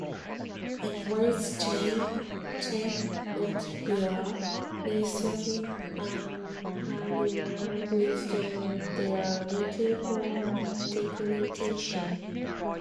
Likewise, China, Latvia, Lithuania and Hungary withdrew their written form declaration.